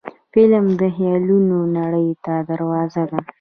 فلم د خیالونو نړۍ ته دروازه ده